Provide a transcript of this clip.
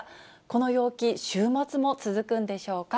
この陽気、週末も続くんでしょうか。